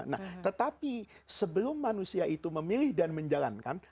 nah tetapi sebelum manusia itu memilih dan menjalankan